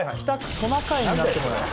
トナカイになってもらいます